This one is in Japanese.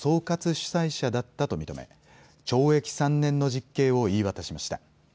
主宰者だったと認め懲役３年の実刑を言い渡しました。